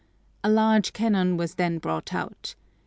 A large cannon was then brought out.